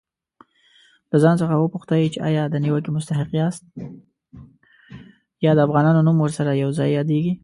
یا د افغانانو نوم ورسره یو ځای یادېږي.